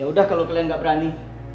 yaudah kalau kalian nggak berani